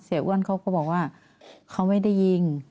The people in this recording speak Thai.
อ้วนเขาก็บอกว่าเขาไม่ได้ยิง